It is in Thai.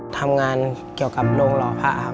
ทำงานเกี่ยวกับโรงหลอภาค่ะ